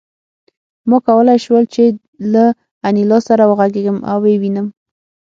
ما کولای شول چې له انیلا سره وغږېږم او ویې وینم